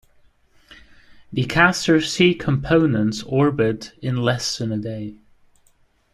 The Castor C components orbit in less than a day.